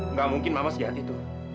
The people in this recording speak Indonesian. nggak mungkin mama sejati itu